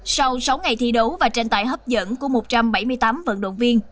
sau sáu ngày thi đấu và tranh tài hấp dẫn của một trăm bảy mươi tám vận động viên